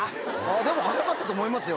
でも早かったと思いますよ